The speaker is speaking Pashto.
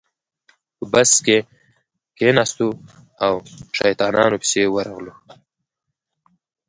په بس کې کېناستو او شیطانانو پسې ورغلو.